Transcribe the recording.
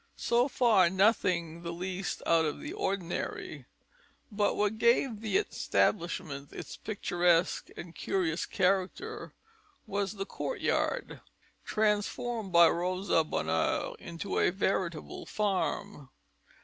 So far, nothing the least out of the ordinary. But what gave the establishment its picturesque and curious character was the court yard, transformed by Rosa Bonheur into a veritable farm.